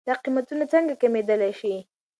دا قيمتونه څنکه کمېدلی شي؟